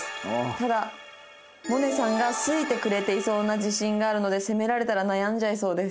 ただモネさんが好いてくれていそうな自信があるので攻められたら悩んじゃいそうです」。